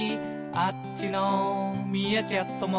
「こっちのミーアキャットも」